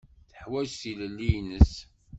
Teḥwaǧ tilelli-nnes.